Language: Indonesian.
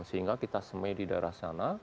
sehingga kita semai di daerah sana